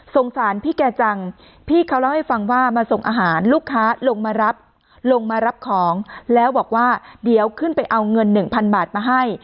สารพี่แกจังพี่เขาเล่าให้ฟังว่ามาส่งอาหารลูกค้าลงมารับลงมารับของแล้วบอกว่าเดี๋ยวขึ้นไปเอาเงินหนึ่งพันบาทมาให้